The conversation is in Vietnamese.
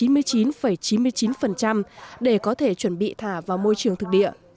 mũi wombakia là chín mươi chín chín mươi chín để có thể chuẩn bị thả vào môi trường thực địa